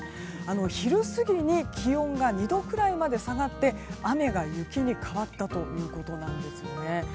昼過ぎ、気温が２度くらいまで下がって雨が雪に変わったということです。